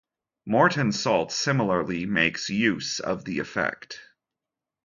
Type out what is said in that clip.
Morton Salt similarly makes use of the effect.